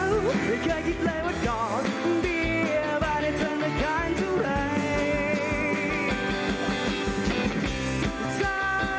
ไม่เคยคิดเลยว่าดอกเบียบาทให้เธอมาการเท่าไหร่